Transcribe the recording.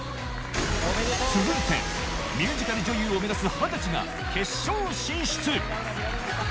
続いてミュージカル女優を目指す二十歳が決勝進出